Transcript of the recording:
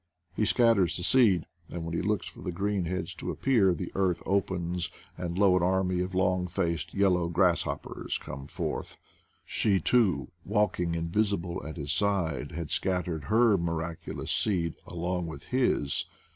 He scatters the seed, and when he looks for the green heads to appear, the earth opens, and lo, an army of long faced, yellow grasshoppers come forth I She, too, walking invisible at his side had scat tered her miraculous seed along with his.